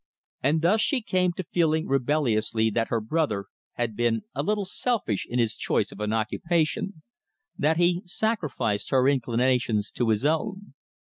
And thus she came to feeling rebelliously that her brother had been a little selfish in his choice of an occupation, that he sacrificed her inclinations to his own.